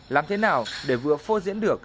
làm thế nào để vừa phô diễn được